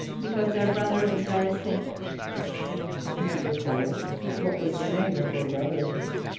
=Because their brother was very sick.= =4.= What was the name of their brother?